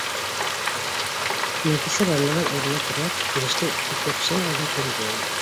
Нәфисә, бармағын ирененә терәп, килешле итеп шым гына көлдө